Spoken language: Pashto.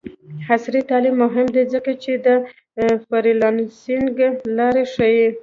عصري تعلیم مهم دی ځکه چې د فریلانسینګ لارې ښيي.